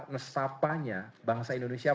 nesapanya bangsa indonesia